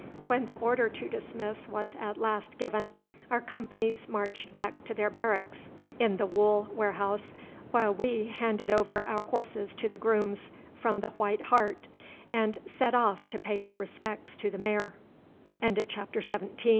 When the order to dismiss was at last given, our companies marched back to their barracks in the wool warehouse, while we handed over our horses to the grooms from the White Hart, and set off to pay our respects to the May